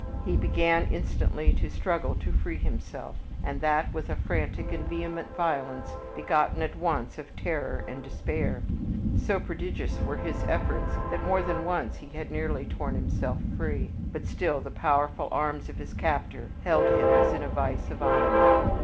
He began instantly to struggle to free himself, and that with a frantic and vehement violence begotten at once of terror and despair. So prodigious were his efforts that more than once he had nearly torn himself free, but still the powerful arms of his captor held him as in a vise of iron.